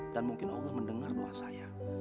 dan mungkin allah mendengar doa saya